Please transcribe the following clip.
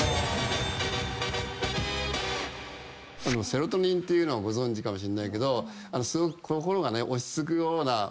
セロトニンっていうのはご存じかもしんないけどすごく心がね落ち着くようなホルモンがあるんですよ。